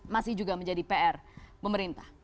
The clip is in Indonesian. masih juga menjadi pr pemerintah